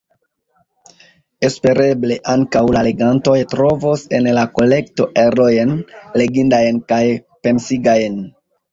Espereble ankaŭ la legantoj trovos en la kolekto erojn legindajn kaj pensigajn.¨